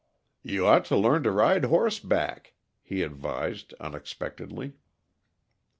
"You ought to learn to ride horseback," he advised unexpectedly.